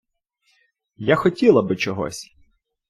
Я хотіла би чогось!